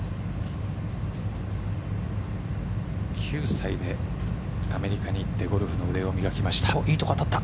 ９歳でアメリカに行ってゴルフの腕を磨きました。